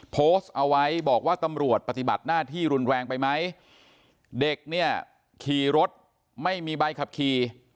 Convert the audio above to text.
โพสต์เอาไว้บอกว่าตำรวจปฏิบัติหน้าที่รุนแรงไปไหมเด็กเนี่ยขี่รถไม่มีใบขับขี่